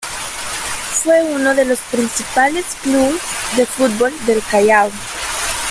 Fue unos de los principales clubes de fútbol del Callao.